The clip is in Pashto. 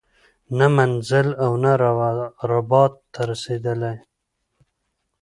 نه منزل او نه رباط ته رسیدلی